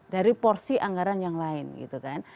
dari porsi anggaran yang lain gitu kan